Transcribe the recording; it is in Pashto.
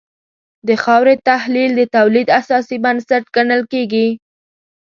د خاورې تحلیل د تولید اساسي بنسټ ګڼل کېږي.